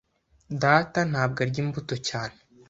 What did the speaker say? Data ntabwo arya imbuto cyane.